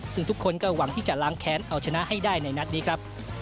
ซึ่งทุกคนก็หวังที่จะล้างแค้นเอาชนะให้ได้ในนัดนี้ครับ